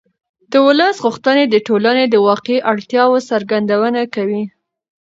د ولس غوښتنې د ټولنې د واقعي اړتیاوو څرګندونه کوي